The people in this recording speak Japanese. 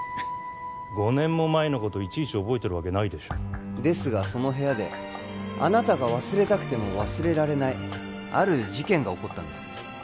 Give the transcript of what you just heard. ５年も前のこといちいち覚えてるわけないですがその部屋であなたが忘れたくても忘れられないある事件が起こったんです